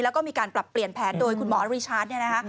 แล้วก็มีการปรับเปลี่ยนแผนโดยคุณหมอริชาร์จเนี่ยนะคะ